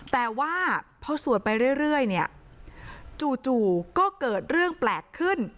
แต่ว่าพอสวดไปเรื่อยเนี่ยจู่ก็เกิดเรื่องแปลกขึ้น